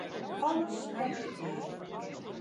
Alles komt klear.